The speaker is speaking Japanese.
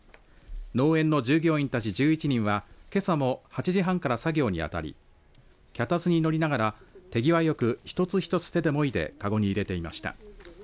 農園の従業員たち１１人はけさも８時半から作業に当たり脚立に乗りながら手際よく１つ１つ、手でもいで籠に入れていました。